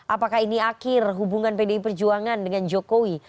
apakah ini akhir hubungan pdi perjuangan dengan jokowi